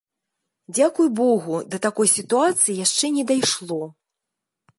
Дзякуй богу, да такой сітуацыі яшчэ не дайшло.